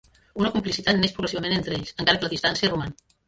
Una complicitat neix progressivament entre ells, encara que la distància roman.